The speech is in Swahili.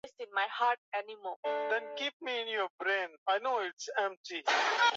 wanyama walioathiriwa wajisugua kwenye miti